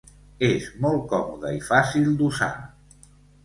És molt còmode i fàcil d'usar.